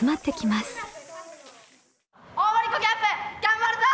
大森っ子キャンプがんばるぞ！